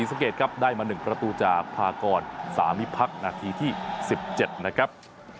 สวัสดีครับ